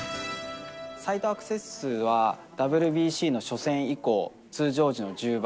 サイトアクセス数はＷＢＣの初戦以降、通常時の１０倍。